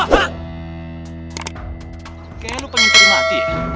kayaknya lo pengen terima hati ya